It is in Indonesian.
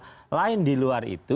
kalau dalam hal lain di luar itu